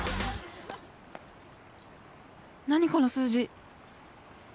この数字。